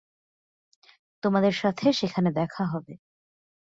তোমার সাথে সেখানে দেখা হবে।